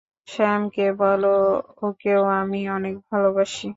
স্যামকে বলো, ওকেও আমি অনেক ভালোবাসি!